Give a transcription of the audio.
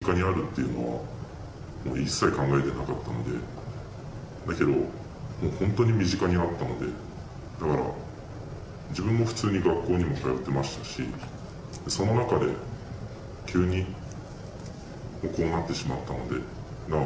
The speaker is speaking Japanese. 自分自身、特殊詐欺が身近にあるっていうのは一切考えてなかったので、本当に身近にあったので、だから、自分も普通に学校にも通ってましたし、その中で、急にこうなってしまったので。